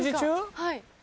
はい。